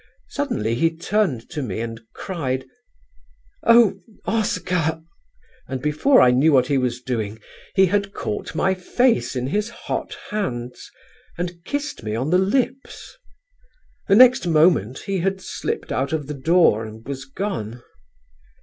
Suddenly he turned to me and cried: "'Oh, Oscar,' and before I knew what he was doing he had caught my face in his hot hands, and kissed me on the lips. The next moment he had slipped out of the door and was gone....